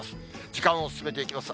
時間を進めていきます。